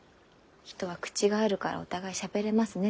「人は口があるからお互いしゃべれますね」